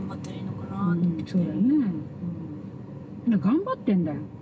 だから頑張ってんだよ。